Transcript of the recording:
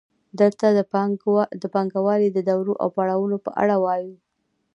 دلته د پانګوالۍ د دورو او پړاوونو په اړه وایو